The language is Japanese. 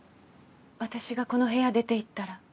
私がこの部屋出て行ったら。